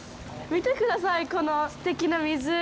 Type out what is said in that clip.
見てください、このすてきな湖。